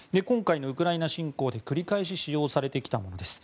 今回のウクライナ侵攻で繰り返し使用されてきました。